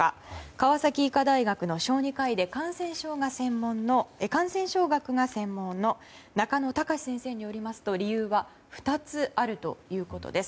川崎医科大学の小児科医で感染症学が専門の中野貴司先生によりますと理由は２つあるということです。